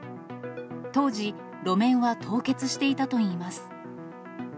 当時、路面は凍結していたといいます。